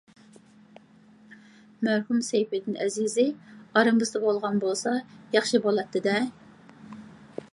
مەرھۇم سەيپىدىن ئەزىزى ئارىمىزدا بولغان بولسا ياخشى بولاتتى دە.